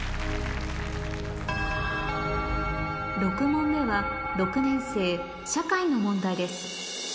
６問目は６年生社会の問題です